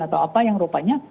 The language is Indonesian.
atau apa yang rupanya